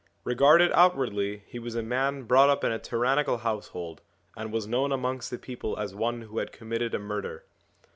Regarded outwardly, he was a man brought up in a tyrannical household, and was known amongst the people as one who had committed a murder.